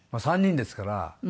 ３人ですから。